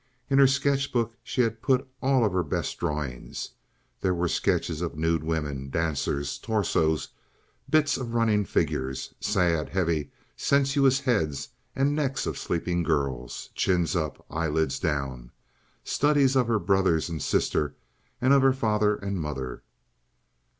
In her sketch book she had put all of her best drawings; there were sketches of nude women, dancers, torsos, bits of running figures, sad, heavy, sensuous heads and necks of sleeping girls, chins up, eyelids down, studies of her brothers and sister, and of her father and mother.